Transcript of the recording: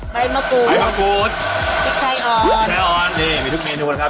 ใบมะกรูดใบมะกรูดพริกไทยอ่อนไส้อ่อนนี่มีทุกเมนูนะครับ